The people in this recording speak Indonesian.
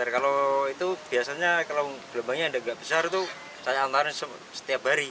kalau itu biasanya kalau gelombangnya nggak besar itu saya antar setiap hari